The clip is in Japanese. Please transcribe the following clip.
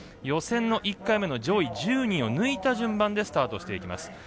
予選の１回目の上位１０人を抜いた順番でスタートしていきます。